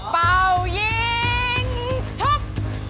เปาเยิ่งชุบ